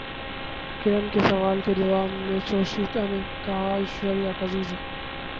کرن کے سوال کے جواب میں شویتا نے کہا ایشوریا کبھی بھی